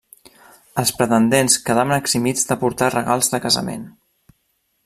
Els pretendents quedaven eximits de portar regals de casament.